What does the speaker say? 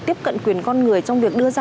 tiếp cận quyền con người trong việc đưa ra